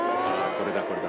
これだこれだ。